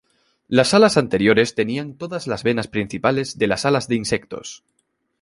Las alas anteriores tenían todas las venas principales de las alas de insectos.